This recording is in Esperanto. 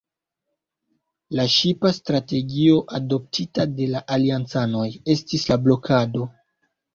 La ŝipa strategio adoptita de la aliancanoj estis la blokado.